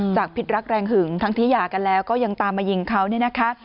ผิดรักแรงหึงทั้งที่หย่ากันแล้วก็ยังตามมายิงเขาเนี่ยนะคะ